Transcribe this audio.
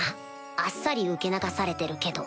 あっさり受け流されてるけど